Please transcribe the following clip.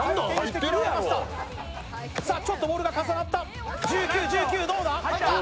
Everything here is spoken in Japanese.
ちょっとボールが重なった、１９どうか？